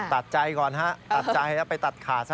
ตัดใจก่อนฮะตัดใจแล้วไปตัดขาดซะ